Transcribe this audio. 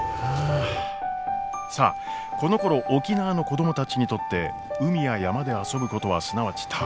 さあこの頃沖縄の子供たちにとって海や山で「遊ぶ」ことはすなわち「食べる」こと。